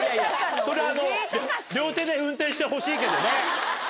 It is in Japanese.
それ、両手で運転してほしいけどね。